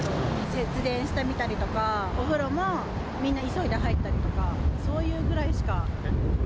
節電してみたりとか、お風呂もみんな急いで入ったりとか、そういうぐらいしか。